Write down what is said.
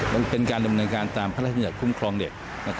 มันเป็นการดำเนินการตามพระราชบัญญัติคุ้มครองเด็ก